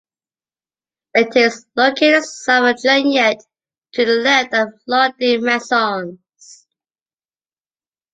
It is located south of Junyent, to the left of Llau de Mesons.